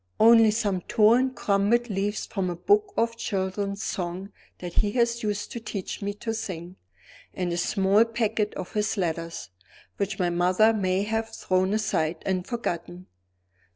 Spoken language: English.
Only some torn crumpled leaves from a book of children's songs that he used to teach me to sing; and a small packet of his letters, which my mother may have thrown aside and forgotten.